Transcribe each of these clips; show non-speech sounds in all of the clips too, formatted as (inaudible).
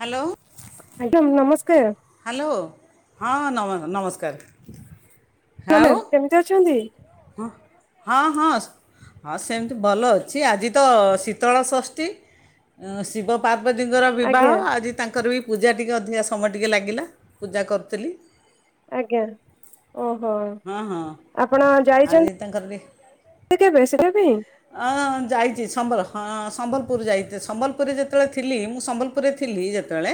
Hello. ଆଜ୍ଞା ନମସ୍କାର। Hello ହଁ ହଁ ନ ନମସ୍କାର। ଆଉ ନମସ୍କାର କେମିତି ଅଛନ୍ତି? ହ ହଁ ହଁ ହଁ ସେମିତି ଭଲ ଅଛି ଆଜି ତ ଶୀତଳ ଷଷ୍ଠୀ। ଉଁ ଶିବ ପାର୍ବତୀଙ୍କର ଆଜ୍ଞା ବିବାହ ଆଜି ତାଙ୍କର ବି ପୂଜା ଟିକେ ଅଧିକା ସମୟ ଟିକେ ଲାଗିଲା ପୂଜା କରୁଥିଲି। ଆଜ୍ଞା। ଓହୋ। ହଁ ହଁ। ଆଜି ତାଙ୍କର ବି ଟିକେ ବେଶୀ ଦେବି। ହଁ ଯାଇଚି ସମ୍ବଲ ହଁ ସମ୍ବଲପୁର ଯାଇଚି। ସମ୍ବଲପୁରରେ ଯେତେବେଳେ ଥିଲି ମୁଁ ସମ୍ବଲପୁର ପୁରୁ ରେ ଥିଲି ଯେତେବେଳେ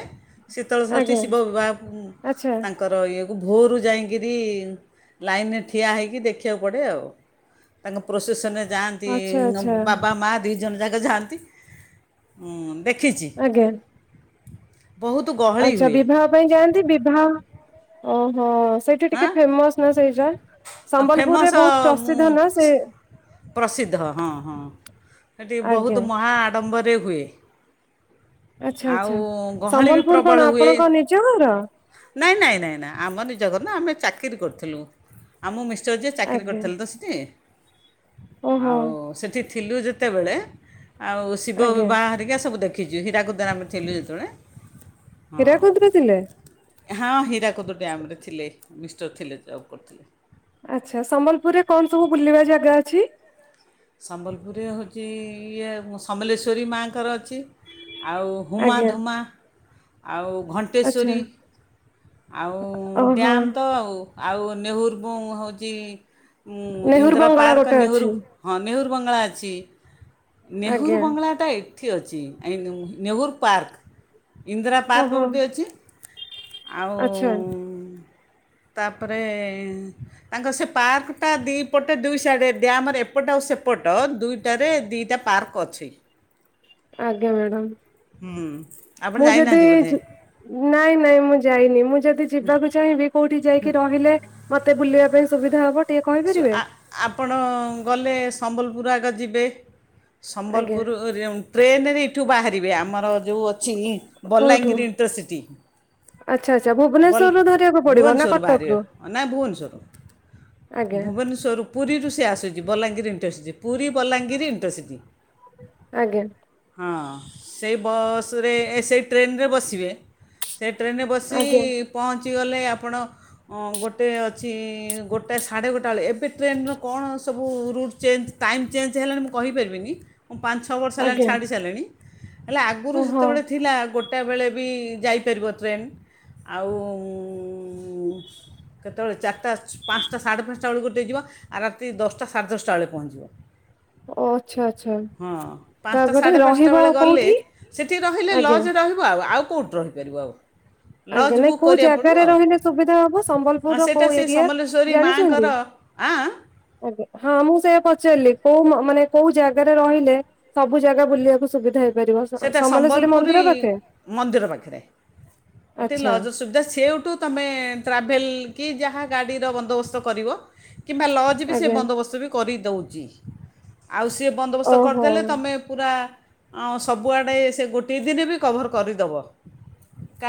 ଶୀତଳ ଷଷ୍ଠୀ ଆଜ୍ଞା ଶିବ ବିବାହ ତା ଆଚ୍ଛା ତାଙ୍କର ଇଏକୁ ଭୋରୁ ଯାଇଁକିରି ଲାଇନ ରେ ଠିଆ ହେଇକି ଦେଖିବାକୁ ପଡ଼େ ଆଉ। ତାଙ୍କ ପ୍ରୋସେସନରେ ଯାଆନ୍ତି ଆଚ୍ଛା ଆଚ୍ଛା ବାବା ମା ଦୁଇ ଜଣ ଯାକ ଯାଆନ୍ତି। ହୁଁ ଦେଖିଚି। ଆଜ୍ଞା ବହୁତୁ ଗ ଆଚ୍ଛା ବିବାହ ପାଇଁ ଯାଆନ୍ତି। ବିବାହ, ଓହୋ ସେଇଠି ହଁ ଟିକେ ଫେମସ୍ ସେଇଟା। ସମ୍ବଲପୁର ରେ ଫେମସ୍ ବହୁତୁ ମୁଁ ପ୍ରସିଦ୍ଧ ନା ସେ। ପ୍ରସିଦ୍ଧ ହଁ ହଁ। ହେଠି ଆଜ୍ଞା ବହୁତୁ ମହା ଆଡ଼ମ୍ବରରେ ହୁଏ। ଆଚ୍ଛା ଆଉ ଆଚ୍ଛା। ଗହଳି ବି ସମ୍ବଲପୁର କଣ ପ୍ରବଳ ହୁଏ। ଆପଣଙ୍କ ନିଜ ଘର ନାଇଁ ନାଇଁ ନାଇଁ ନା, ଆମ ନିଜ ଘର ନା ଆମେ ଚାକିରି କରିଥିଲୁ। ଆମ ମିଷ୍ଟର ଯିଏ ଚାକିରି ଆଜ୍ଞା କରିଥିଲି ତ ସେଠି। ଓହୋ ଆଉ ସେଠି ଥିଲୁ ଯେତେବେଳେ, ଆଉ ଶିବ ଆଜ୍ଞା। ବିବାହ ହେରିକା ସବୁ ଦେ ଦେଖିଚୁ। ହୀରାକୁଦ ରେ ଆମେ ଥିଲୁ ଯେତେବେଳେ। ହଁ। ହୀରାକୁଦରେ ଥିଲେ ହଁ ହୀରାକୁଦୁ ଡ୍ୟାମ ରେ ଥିଲେ। ମିଷ୍ଟର ଥିଲେ ଜବ୍ କରିଥିଲେ। ଆଚ୍ଛା। ସମ୍ବଲପୁରରେ କଣ ସବୁ ବୁଲିବା ଜାଗା ଅଛି? ସମ୍ବଲପୁରୀରେ ହଉଚି ଇଏ ମୁ ସମଲେଶ୍ୱରୀ ମାଙ୍କର ଅଛି। ଆଉ ହୁମା ଆଜ୍ଞା ଧୁମା ଆଉ ଆଚ୍ଛା। ଘଣ୍ଟେଶ୍ଵରୀ ଆଉ ଓହୋ ଡ୍ୟାମ୍ ତ ଆଉ। ଆଉ ନେହୁରୁ ବୁ ହଉଚି ନେହୁର ଇନ୍ଦିରା ବଙ୍ଗଳା ପାର୍କ ଗୋଟେ ଅଛି ନେହୁରୁ ହଁ ନେହୁରୁ ବଙ୍ଗଳା ଅଛି। ନେହୁରୁ ଆଜ୍ଞା ବଙ୍ଗଳା ଟା ଏ ଏଠି ଅଛି, ନେହୁରୁ ପାର୍କ ଇନ୍ଦିରା ପାର୍କ ଓହୋ ଗୋଟେ ଅଛି। ଆଉ ଆଚ୍ଛା ତାପରେ ତାଙ୍କର ସେ ପାର୍କଟା ଦି ପଟେ ଦୁଇ ସାଇଡ୍ ରେ ଡ୍ୟାମ ରେ ଏପଟ ଆଉ ସେପଟ ଦୁଇଟାରେ ଦିଟା ପାର୍କ ଅଛି। ଆଜ୍ଞା ମ୍ୟାଡାମ। ହୁଁ ଆପଣ ମୁଁ ଯଦି ଯାଇନାହାନ୍ତି ବୋଧେ ଯି ନାଇଁ ନାଇଁ ମୁଁ ଯାଇନି। ମୁଁ ଯଦି ଯିବାକୁ ଚାହିଁବି କୋଉଠି ଯାଇକି ରହିଲେ ମତେ ବୁଲିବା ପାଇଁ ସୁବିଧା ହବ? ଟିକେ ସୁ କହିପାରିବେ ଆ ଆପଣ ଗଲେ ସମ୍ବଲପୁର ଆଗ ଯିବେ। ଆଜ୍ଞା ସମ୍ବଲପୁରୁ ଟ୍ରେନରେ ଏଇଠୁ ବାହାରିବେ, ଆମର ଯୋଉ ଥିଲି, କୋଉଠୁ ବଲାଙ୍ଗୀର ଇଣ୍ଟରସିଟି। ଆଚ୍ଛା ଆଚ୍ଛା ବଲ୍ ଭୁବନେଶ୍ୱରରୁ ଧରିବାକୁ ପଡିବ ନା ଭୁବନେଶ୍ୱର ରୁ ବାହାରିବେ କଟକରୁ ନାଇ ଭୁବନେଶ୍ୱର ରୁ। ଆଜ୍ଞା ଭୁବନେଶ୍ୱରରୁ ପୁରୀରୁ ସେ ଆସୁଚି, ବଲାଙ୍ଗୀର ଇଣ୍ଟରସିଟି। ପୁରୀ ବଲାଙ୍ଗୀର ଇଣ୍ଟରସିଟି। ଆଜ୍ଞା। ହଁ ସେଇ ବସ୍ ରେ ସେଇ ଟ୍ରେନ୍ ରେ ବସିବେ। ସେ ଟ୍ରେନ୍ ରେ ବସି ଆଜ୍ଞା ପହଞ୍ଚିଗଲେ ଆପଣ, ଗୋଟେ ଅଛି ଗୋ ଗୋଟଏ ସାଢ଼େ ଗୋଟା ବେଳେ। ଏବେ ଟ୍ରେନ୍ କଣ ସବୁ ରୁଟ୍ ଚେଞ୍ଜ ଟାଇମ୍ ଚେଞ୍ଜ ହେଲାଣି ମୁଁ କହିପାରିବିନି। ମୁଁ ପାଞ୍ଚ ଛଅ ବର୍ଷ ହେଲାଣି ଆଜ୍ଞା ଛାଡ଼ି ସାରିଲିଣି। ହେଲେ ଆଗରୁ ଓହୋ ଯେତେବେଳେ ଥିଲା ଗୋ ଗୋଟାବେଳେ ବି ଯାଇପାରିବ ଟ୍ରେନ୍। ଆଉ କେତେବେଳେ ଚାରିଟା ପାଞ୍ଚଟା ସାଢ଼େ ପାଞ୍ଚଟା ବେଳେ ଗୋଟ ଦେଇଯିବ ଆଉ ରାତି ଦଶଟା ସାଢ଼େ ଦଶଟା ବେଳେ ପହଞ୍ଚିବ। ଓ ଆଚ୍ଛା ଆଚ୍ଛା ହ ତାପରେ ପାଞ୍ଚାଢେ ପାଞ୍ଚା ରହିବ ବେଳେ ଗଲେ କୋଉଠି ସେଠି ରହିଲେ ଆଜ୍ଞା ଲଜରେ ଆଉ ଆଉ କୋଉଠି ରହିପାରିବ ଆଉ। ଆଜ୍ଞା ଲଜ୍ ନାଇଁ ବୁକ୍ କୋଉ କରିବାକୁ ପଡ଼ିବ ଜାଗାରେ ଆଉ ରହିଲେ ସୁବିଧା ହବ ଆଉ ସମ୍ବଲପୁରର ସେଇଟା କୋଉ ସେ ଏରିଆ? ସମଲେଶ୍ୱରୀ ଜାଣିଚନ୍ତି? ମାଆଙ୍କର ଆଁ ଆଜ୍ଞା ହଁ ମୁଁ ସେଇଆ ପଚାରିଲି କୋଉ ମାନେ କୋଉ ଜାଗାରେ ରହିଲେ ସବୁ ଜାଗା ବୁଲିବାକୁ ସୁବିଧା ହେଇପାରିବ ସେଇଟା ସମଲେଶ୍ୱରୀ ସମ୍ବଲପୁରୀ ମନ୍ଦିର ପାଖେ? ମନ୍ଦିର ପାଖରେ ଏଠି ଆଚ୍ଛା ଲଜ୍ ସୁବିଧା ସେଉଠୁ ତମେ ଟ୍ରାଭେଲ୍ କି ଯାହା ଗାଡ଼ିର ବନ୍ଦବସ୍ତ କରିବ କିମ୍ବା ଲ ଆଜିବି ଆଜ୍ଞା ସେବନ୍ଦୋବସ୍ତବି କରିଦଉଚି ଆଉ ସେବନ୍ଦୋବସ୍ତ ଓହୋ କରିଦେଲେ ତମେ ପୁରା ଆଉ ସବୁଆଡ଼େ ସେ ଗୋଟିଏ ଦିନବି କଭର୍ କରିଦବ।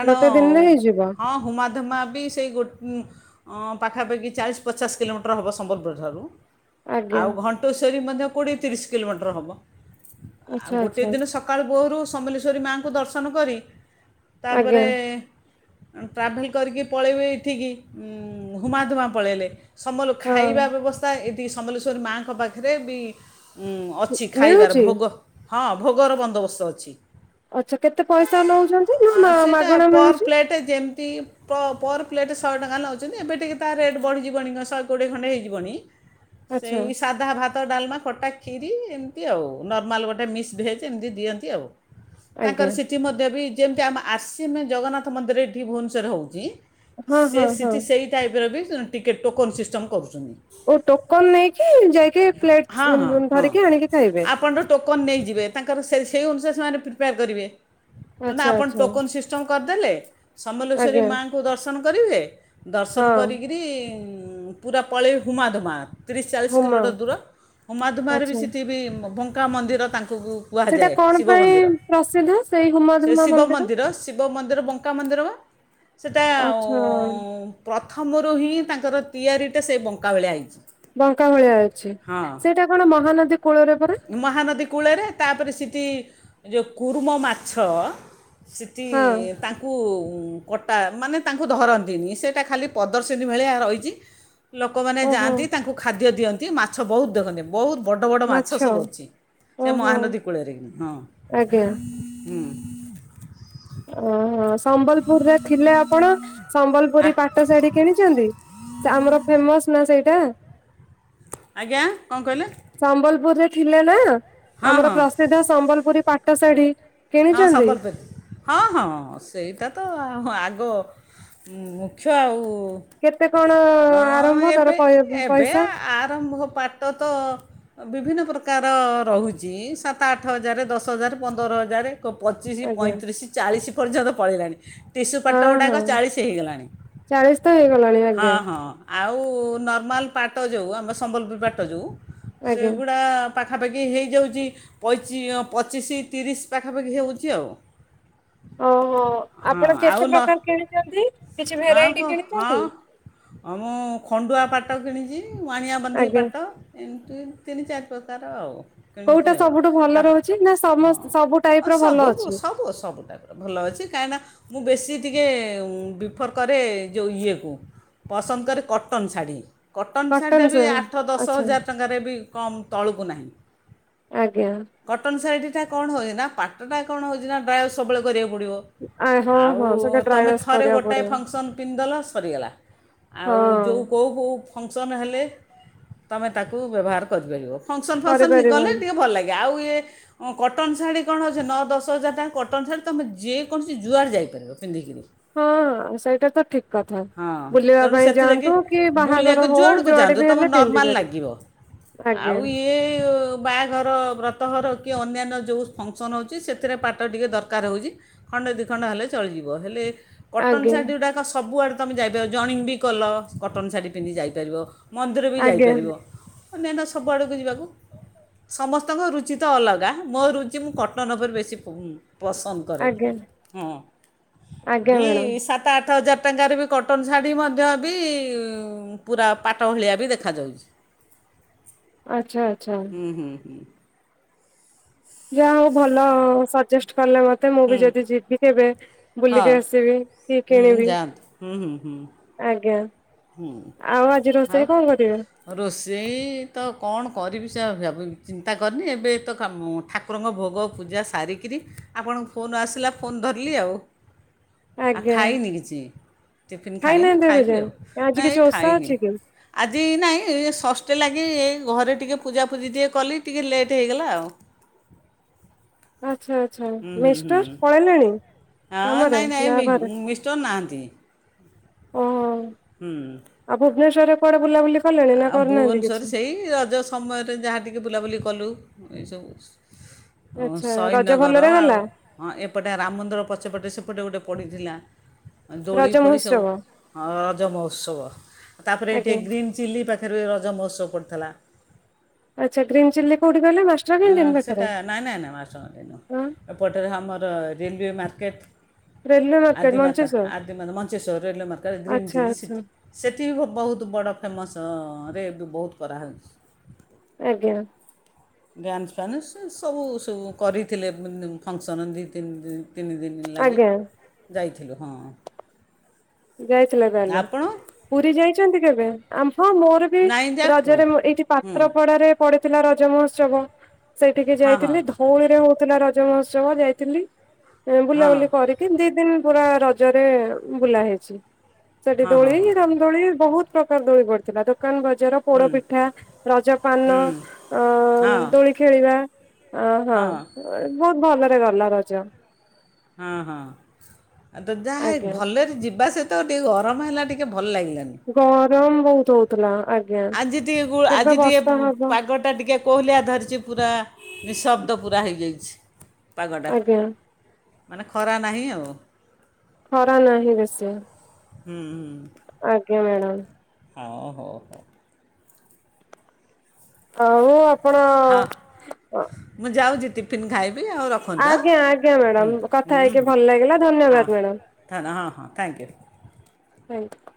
ଗୋଟେ ଦିନରେ ହେଇଯିବ? ହୁମାଧମାବି ସେଇ ଗୋ ଅଁ ପାଖାପାଖି ଚାଳିଶି ପଚାଶ କିଲୋମିଟର୍ ହବ ସମ୍ବଲପୁରଠାରୁ ଆଜ୍ଞା ଆଉ ଘଟେଶଵରୀ ମଧ୍ୟ କୋଡ଼ିଏ ତିରିଶି କିଲୋମିଟର୍ ହବ ଆଉ ଆଚ୍ଛା ଗୋଟିଏ ଆଚ୍ଛା ଦିନ ସ ସକାଳୁ ବୋହରୁ ସମଲେଶ୍ୱରୀ ମାଙ୍କୁ ଦର୍ଶନ କରି ଆଜ୍ଞା ତାପରେ ଟ୍ରାଭେଲ୍ କରିକି ପଳେଇବେ ଏଇଠିକି ଉଁ ହୁମାଧୁମାଁ ପଳେଇଲେ ସମଲ ଖାଇବା ହଁ। ବ୍ୟବସ୍ଥା ଏଠି ସମଲେଶ୍ଵରୀ ମାଆଙ୍କ ପାଖରେବି ଉଁ ଅଛି ଖାଇବାର ମିଳୁଛି ଭୋଗ ହଁ ଭୋଗର ବନ୍ଦୋବସ୍ତ ଅଛି। ଆଚ୍ଛା କେତେ ପଇସା ନଉଛନ୍ତି ନା ମା ସେଇଟା ମାଗଣା ପର୍ ମିଳୁଛି ପ୍ଲେଟ ଯେମିତି ପ ପର୍ ପ୍ଲେଟ୍ ଶହେଟଙ୍କା ନେଉଚନ୍ତି ଏବେ ଟିକେ ତା ରେଟ୍ ବଢ଼ିିଜିବଣି ଶହେ କୋଡ଼ିଏ ଖଣ୍ଡେ ହେଇଯିବଣି ଆଚ୍ଛା ସେଇ ସାଧା ଭାତ ଡାଲମା ଖଟା କ୍ଷୀରି ଏମିତି ଆଉ ନର୍ମାଲ ଗୋଟେ ମିକ୍ସ ଭେଜ ଏମିତି ଦିଅନ୍ତି ଆଉ ଆଜ୍ଞା ତାଙ୍କର ସେ ଏଥିମଧ୍ୟବି ଯେମିତି ଆମ ଆସିମ ଜଗନ୍ନାଥ ମନ୍ଦିର ଏଠି ଭୁବନେଶ୍ୱର ହେଉଚି ହଁ ସେ ହଁ ହଁ ସେଠି ସେଇ ଟାଇପ୍ରବି ଟିକେଟ୍ ଟୋକନ୍ ସିଷ୍ଟମ୍ କରୁଚନ୍ତି। ଓ ଟୋକନ୍ ନେଇକି ଯାଇକି ହଁ ପ୍ଲେଟ୍ ହଁ ହଁ ଧରିକି ଆଣିକି ଖାଇବେ? ଆପଣଙ୍କର ଟୋକନ୍ ନେଇଯିବେ ତାଙ୍କର ସେ ସେଇ ଅନୁସାରେ ସେମାନେ ପ୍ରିପାର୍ କରିବେ ତେଣୁ ଆଚ୍ଛା ଆପଣ ଆଚ୍ଛା ଟୋକନ୍ ସି କରିଦେଲେ ସମଲେଶ୍ଵରୀ ଆଜ୍ଞା ମାଙ୍କୁ ଦର୍ଶନ କରିବେ ଦର୍ଶନ ହଁ କରିକିରି ପୁରା ପଳେଇ ହୁମା ଧୁମା ତିରିଶି ଚାଳିଶି ହୁମା କିଲୋମିଟର୍ ଦୂର ହୁମା ମାଧୁରେବି ଆଚ୍ଛା ସେଠିବି ଭଙ୍କା ମନ୍ଦିର ତାଙ୍କୁ ସେଟା କୁହାଯାଏ କଣ ଶିବ ପାଇଁ ମନ୍ଦିର ପ୍ରସିଦ୍ଧ ସେଇ ସେ ହୁମାଧୁମା ଶିବ ମନ୍ଦିର? ମନ୍ଦି ର ଶିବ ମନ୍ଦିର ବଙ୍କା ମନ୍ଦିରମ ସେଟା ଆଚ୍ଛା। ଉଁ ପ୍ରଥମରୁ ହିଁ ତାଙ୍କର ତିଆରିଟେ ସେବଙ୍କା ଭଳିଆ ହେଇଚି। ବଙ୍କା ଭଳିଆ ଅଛି ସେଇଟା କଣ ମହାନଦୀ କୂଳରେ ପରା? ମହାନଦୀ କୂଳରେ ତାପରେ ସେଠି ଯଉ କୁରୁମ ମାଛ ସେଠି ହଁ ତା ତାଙ୍କୁ କଟା ମାନେ ତାଙ୍କୁ ଧରନ୍ତିନି ସେଇଟା ଖାଲି ପ୍ରଦର୍ଶିନୀ ଭଳିଆ ରହିଚି ଲୋକମାନେ ଓହୋ ଯାଆନ୍ତି ତାଙ୍କୁ ଖାଦ୍ୟ ଦିଅନ୍ତି ମାଛ ବହୁତ ଦେଖନ୍ତି। ବହୁତ୍ ବଡ଼ ବଡ଼ ମାଛ ସବୁ ଅଛି ଓହୋ। ସେମହାନଦୀ କୂଳରେକି ହଁ। ଆଜ୍ଞା ହୁଁ। ଓହୋ ସମ୍ବଲପୁରରେ ଥିଲେ ଆପଣ ସମ୍ବଲପୁରୀ ପାଠ ଶାଢ଼ୀ କିଣିଚନ୍ତି? ସେଆମର ଫେମସନା ସେଇଟା? ଆଜ୍ଞା କଁ କହିଲେ? ସମ୍ବଲପୁରରେ ଥିଲେନା ହଁ ଆମର ହଁ ପ୍ରସିଦ୍ଧ ସମ୍ବଲପୁରୀ ପାଠ ଶାଢୀ ହଁ କିଣିଛନ୍ତି? ସମ୍ବଲପୁରି। ହଁ ହଁ ସେଇଟା ତ ଆଗ ମୁମୁଖ୍ୟ ଆଉ। କେତେ କଣ ହଁ ଆରମ୍ଭ ଏବେ ତାର ପ ଏବେ ପଇସା? ଆରମ୍ଭ ପାଟ ତ ବିଭିନ୍ନ ପ୍ରକାର ରହୁଚି ସାତ ଆଠ ହଜାରେ ଦଶ ହଜାରେ ପନ୍ଦର ହଜାରେ। ତୋପଚିଶି ଆଜ୍ଞା ପଇଁତିରିଶି ଚାଳିଶି ପର୍ଯ୍ୟନ୍ତ ପଳେଇଲାଣି। ଟିସୁ ହଁ ପାଟ ହଁ ଗୁଡ଼ାକ ଚାଳିଶି ହେଇଗଲାଣି। ଚାଳିଶ ତ ହେଇଗଲାଣି ଆଜ୍ଞା ହଁ ହଁ। ଆଉ ନର୍ମାଲ୍ ପାଟ ଯୋଉ ଆମ ସମ୍ବଲପୁରୀ ପାଟ ଯୋଉ ଆଜ୍ଞା। ସେଗୁଡା ପାଖାପାଖି ହେଇଯାଉଚି ପଚି ପଚିଶି ତିରିଶି ପାଖାପାଖି ହୋଉଚି ଆଉ। ଓହୋ ହଁ ଆପଣ ଆଉ କେତେ ନ ପ୍ରକାର କିଣିଚନ୍ତି? କିଛି ଭେରାଇଟି କିଣିଚନ୍ତି? ଅଁ ମୁଁ ଖଣ୍ଡୁଆ ପାଟ କିଣିଚି। ମାଣିଆ ବାନ୍ଧି ଆଜ୍ଞା ପାଟ। ଏମିତି ତିନି ଚାରି ପ୍ରକାର ଆଉ। କିଣିଛି କୋଉଟା ଆଉ ସବୁଠୁ ଭଲ ତାପରେ ରହୁଚି। ନା ସମ ସବୁ ଟାଇପ ର ଭଲ ସବୁ ଅଛି? ସବୁ ସବୁଟା। ଭଲ ଅଛି କାହିଁକିନା ମୁଁ ବେଶୀ ଟିକିଏ ପ୍ରିଫର୍ କରେ ଯୋଉ ଇଏକୁ। ପସନ୍ଦ କରେ କଟନ ଶାଢ଼ୀ। କଟନ ଶାଢୀରେବି ଆଠ ଦଶ ଆଚ୍ଛା ହଜାରେ ଟ ଜାଗାରେ ବି କମ ତଳକୁ ନାହିଁ। ଆଜ୍ଞା। କଟନ୍ ଶାଢି ଟା କଣ ହୋଉ ନା ପାଟ ଟା କଣ ହୋଉଚି ନା ଡ୍ରାଏ ସବୁବେଳେ କରିବାକୁ ପଡ଼ିବ। ଆ ହଁ ଆଉ ହଁ ସେଟା ତମେ ଟ୍ରାଏସ୍ ଥରେ କରିବାକୁ ଗୋଟାଏ ପଡିବ ଫଙ୍କସନ୍ ପିନ୍ଧିଦେଲ ସରିଗଲା। ଆଉ ଯୋଉ ହଁ କୋଉ କୋଉ ଫଙ୍କସନ୍ ହେଲେ ତୁମେ ତାକୁ ବ୍ୟବହାର କରିପାରିବ? ଫଙ୍କସନ୍ ଫଙ୍କସନ୍ ଗଲେ କରିପାରିବନି ଟିକିଏ ଭଲ ଲାଗେ। ଆଉ ଏ କଟନ୍ ଶାଢୀ କଣ ଅଛି ନଅ ଦଶ ହଜାର ଟଙ୍କା କଟନଶାଢୀ ତମେ ଯେକୌଣସି ଜୁଆଡେ ଯାଇପାରିବ ପିନ୍ଧିକିରି। ହଁଁ ସେଇଟା ତ ଠିକ୍। କଥା ହଁ ବୁଲିବା ତେଣୁ ପାଇଁ ସେଥିଲାଗି ଯାଆନ୍ତୁ କି ବୁଲିବାକୁ ବାହାଘର ହୋଉ ଯୁଆଡ଼କୁ ଯୁଆଡେ ଯାଆନ୍ତୁ ବି ତୁମ ହେଲେ ପିନ୍ଧିିପାରିବେ। ଆଜ୍ଞା। ଏଓ। ତୋବାହାଘର ବ୍ରତଘର କି ଅନ୍ୟାନ୍ୟ ଯେଉଁ ଫଙ୍କସନ୍ ହୋଉଚି ସେଥିରେ ପାଟ ଟିକିଏ ଦରକାର ହୋଉଚି। ଖଣ୍ଡେ ଦି ଖଣ୍ଡ ହେଲେ ଚଳିଯିବ। ହେଲେ କଟନ୍ ଆଜ୍ଞା ଶାଢ଼ୀ ଗୁଡ଼ାକ ସବୁଆଡେ ତମେ ଯାଇପାରିବ ଜଣିଙ୍ଗ ବି କଲ କଟନ୍ ଶାଢୀ ପିନ୍ଧିକି ଯାଇପାରିବ। ମନ୍ଦିର ବି ଆଜ୍ଞା ଯାଇପାରିବ। ଅନ୍ୟାନ୍ୟ ସବୁ ଆଡକୁ ଯିବାକୁ ସମସ୍ତଙ୍କ ରୁଚି ତ ଅଲଗା ମୋ ରୁଚି ମୁଁ କଟନ ଉପରେ ବେଶୀ ପ ପସନ୍ଦ କରେ। ଆଜ୍ଞା ହଁ ଆଜ୍ଞା ଇ ମ୍ୟାଡ଼ାମ ସାତ ଆଠ ହଜାରେ ଟଙ୍କାରେ ବି କଟନ ଶାଢ଼ୀ ମଧ୍ୟ ବି ପୁରା ପାଟ ଭଳିଆବି ଦେଖାଯାଉଚି। ଆଚ୍ଛା ଆଚ୍ଛା। ହୁଁ ହୁଁ ହୁଁ। ଯାହା ହୋଉ ଭଲ ସଜେଷ୍ଟ କଲେ ମତେ ମୁଁ ବି ହୁଁ ଯଦି ଯିବି କେବେ ହଁ ବୁଲିକି ଆସିବି କି ହୁଁ କିଣିବି। ଯାଆନ୍ତୁ ହୁଁ ହୁଁ ହୁଁ। ଆଜ୍ଞା ଆଉ ଆଜି ଆଉ ରୋଷେଇ କଣ କରିବେ? ରୋଷେଇ ତ କଣ କରିବି ସେ ଅଲଗାପ ଚିନ୍ତା କରିନି ଏବେ ତ କାମ ଠା ଠାକୁରଙ୍କ ଭୋଗ ପୂଜା ସାରିକିରି ଆପଣଙ୍କ ଫୋନ୍ ଆସିଲା ଫୋନ୍ ଧରିଲି ଆଉ। (inaudible) ଆ ଆଜ୍ଞା ଖାଇନି କିଛି ଟିଫିନ୍ ଖାଇନି ଖାଇନାହାନ୍ତି ଏବେ ଖାଇବି ଯାଏଁ ଆଉ ଆଜି ନାଇଁ କିଛି ଏ ଓଷା ଖାଇନି। ଅଛି କି? ଆଜି ନାଇଁ ଷଷ୍ଠୀ ଲାଗି ଏ ଘରେ ଟିକିଏ ପୂଜାପୁଜି ଟିକିଏ କଲି ଟିକିଏ ଲେଟ୍ ହେଇଗଲା ଆଉ। ଆଚ୍ଛା ଆଚ୍ଛା ମିଷ୍ଟର ପଳେଇଲେଣି? ଅଁ କାମରେ ନାଇଁ ନାଇଁ ନା ମି ଘରେ ମିଷ୍ଟର ନାହାନ୍ତି। ଓ। ହୁଁ। ଆ ଭୁବନେଶ୍ୱରରେ କୁଆଡ଼େ ବୁଲାବୁଲି କଲେଣି ନା କରିନାହାନ୍ତି କିଛି? କି ରଜ ସମୟରେ ଯାହା ଟିକେ ବୁଲାବୁଲି କଲୁ ଏସବୁ। ଓ ଆଚ୍ଛା ରଜ ସହିଦନଗର ଭଲରେ ଆଉ ଗଲା ହଁ ଏପଟେ ରାମ ମନ୍ଦିର ପଛପଟେ ସେପଟେ ଗୋଟେ ପଡ଼ିଥିଲା। ଦୋଳି ରଜ ଫୋଳି ସବୁ ମହୋତ୍ସବ ହଁ ରଜ ମହୋତ୍ସବ ତାପରେ ଏଠି ଆଜ୍ଞା ଗ୍ରିନ୍ ଚିଲ୍ଲୀ ପାଖରେ ରଜ ମହୋତ୍ସବ ପଡ଼ିଥିଲା। ଆଚ୍ଛା ଗ୍ରୀନ୍ ଚିଲ୍ଲୀ କୋଉଠି କହିଲେ ମା ଅଁ ସେଇଟା ନାଇଁ ନାଇଁ ନା ମାଷ୍ଟକ୍ୟାଣ୍ଟିନି ନୁହଁ ହଁ। ଏପଟେରେ ଆମର railway market. Railway market Adimata Mancheswar Adimata Mancheswar railway market green ଆଚ୍ଛା ଚିଲ୍ଲି ଆଚ୍ଛା ସିଟି। ସେଠି ବି ଭ ବହୁତୁ ବଡ଼ ଫେମସରେ ବି ବହୁତ୍ କରାହୋଉଚି। ଆଜ୍ଞା‌। ଡ୍ୟାନ୍ସ ଫ୍ୟାନ୍ସ ସେ ସବୁ ସବୁ କରିଥିଲେ ମାନେ ଫଙ୍ଗସନ୍ ଦି ତିନ ଦି ତିନି ଦିନି। ତିନ ଦିନ ଲାଗି ଆଜ୍ଞା ଯାଇଥିଲୁ ହଁ। ଯାଇଥିଲେ ତାହଲେ ଆପଣ ପୁରୀ ଯାଇଚନ୍ତି କେବେ ଆମ ହଁ ମୋର ବି ନାଇଁ ଜାପୁ ରଜରେ ମ ଏଇଠି ହଁ ପାତ୍ରପଡ଼ାରେ ପଡିଥିଲା ରଜ ମହୋତ୍ସବ। ସେଠିକି ହଁ ଯାଇଥିଲି ଧଉଳିରେ ହଉଥିଲା ରଜ ମହୋତ୍ସବ ଯାଇଥିଲି ଉ ହଁ ବୁଲାବୁଲି କରି କି ଦି ଦିନ ପୁରା ରଜରେ ବୁଲା ହେଇଚି ସେଠି ହଁ ହଁ ହଁ ଦୋଳି ହଁ ର ଦୋଳି ବହୁତ୍ ପ୍ରକାର ଦୋଳି ପଡିଥିଲା ଦୋକାନ ବଜାର। ହୁଁ ପୋଡ଼ପିଠା ରଜ ପାନ ହୁଁ ହଁ ଅଁ ଦୋଳି ଖେଳିବା। ଅଁ ହଁ ବହୁତ୍ ଭଲରେ ଗଲା ରଜ। ହଁ ହଁ ଆ ତ ଯାହାହେ ଆଜ୍ଞା ଭଲରେ ଯିବା ସେ ତ ଟିକେ ଗରମ ହେଲା ଟିକେ ଭଲ ଲାଗିଲାନି। ଗରମ ବହୁତ୍ ହଉଥୁଲା ଆ ଆଜି ଟିକେ ଗୁଳୁ ଆଜି ଟିକେ ପୁ ପାଗ ଟା ଟିକେ କୋହଲିଆ ଧରିଛି ପୁରା ନିଃଶବ୍ଦ ପୁରା ହେଇଯାଇଛି ପାଗଟା। ଆଜ୍ଞା ମାନେ ଖରା ନାହିଁ ଆଉ। ଖରା ନାହିଁ ବେଶି। ହୁଁ ହୁଁ। ଆଜ୍ଞା ମ୍ୟାଡ଼ାମ୍। ହଁ ହଉ ହଉ। ଆଉ ଆ ହଁ ମୁଁ ଯାଉଛି ଟିଫିନ୍ ଖାଇବି ଆଉ ର ଆଜ୍ଞା ଆଜ୍ଞା ମ୍ୟାଡାମ କଥା ହେଇକି ହୁଁ ଭଲ ଲାଗିଲା ହଁ ଧନ୍ୟବାଦ ମ୍ୟାଡାମ୍। ଧନ୍ୟ ହଁ ହଁ ଥ୍ୟାଙ୍କ ୟୁ (unintelligible)